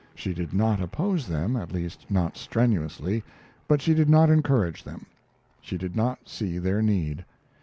She did not oppose them, at least not strenuously, but she did not encourage them. She did not see their need.